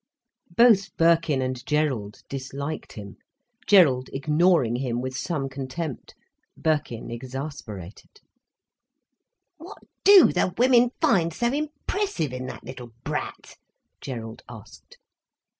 Both Birkin and Gerald disliked him, Gerald ignoring him with some contempt, Birkin exasperated. "What do the women find so impressive in that little brat?" Gerald asked.